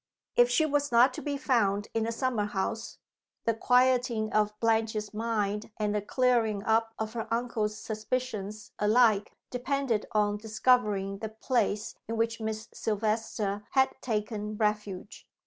If she was not to be found in the summer house, the quieting of Blanche's mind and the clearing up of her uncle's suspicions alike depended on discovering the place in which Miss Silvester had taken refuge.